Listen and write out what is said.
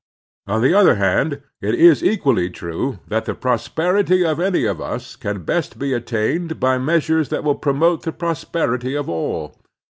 On the other hand, it is equally true that the prosperity of any of us can best be attained by measures that will promote the prosperity of all.